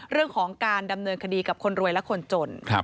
เรื่องของการดำเนินคดีกับคนรวยและคนจน